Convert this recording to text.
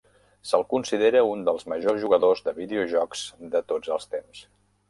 Se'l considera un dels majors jugadors de videojocs de tots els temps.